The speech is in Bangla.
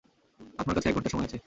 আপনার কাছে এক ঘন্টা সময় আছে।